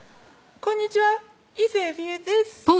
「こんにちは伊勢海老絵です」